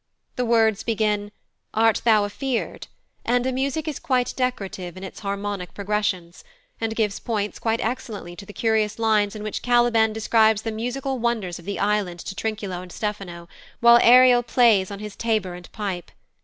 The words begin, "Art thou afeared?" and the music is quite decorative in its harmonic progressions, and gives points quite excellently to the curious lines in which Caliban describes the musical wonders of the island to Trinculo and Stephano, while Ariel plays on his tabor and pipe.